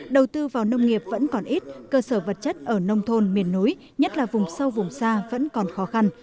đầu tư vào nông nghiệp vẫn còn ít cơ sở vật chất ở nông thôn miền núi nhất là vùng sâu vùng xa vẫn còn khó khăn